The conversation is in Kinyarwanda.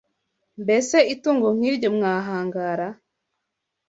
Mbese itungo nk’iryo mwahangara